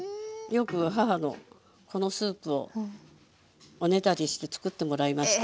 よく母のこのスープをおねだりしてつくってもらいました。